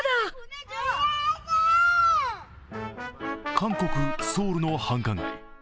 韓国・ソウルの繁華街。